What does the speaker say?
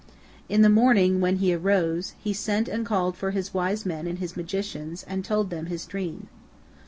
In the morning, when he arose, he sent and called for his wise men and his magicians, and told them his dream.